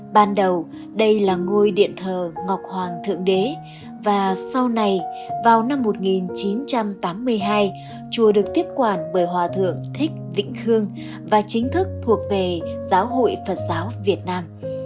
ban đầu đây là ngôi điện thờ ngọc hoàng thượng đế và sau này vào năm một nghìn chín trăm tám mươi hai chùa được tiếp quản bởi hòa thượng thích vĩnh khương và chính thức thuộc về giáo hội phật giáo việt nam